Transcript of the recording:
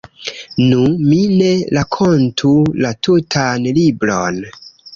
Nu, mi ne rakontu la tutan libron.